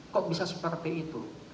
kok bisa seperti itu